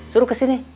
suruh ke sini